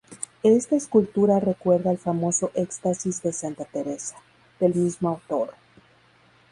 Esta escultura recuerda al famoso "Éxtasis de Santa Teresa", del mismo autor.